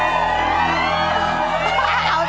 เป็นเรื่องราวของแม่นาคกับพี่ม่าครับ